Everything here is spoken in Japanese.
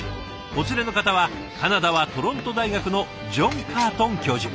お連れの方はカナダはトロント大学のジョン・カートン教授。